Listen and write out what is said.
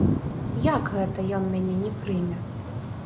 Як гэта ён мяне не прыме?